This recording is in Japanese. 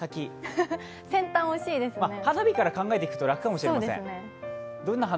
花火から考えていくと楽かもしれない。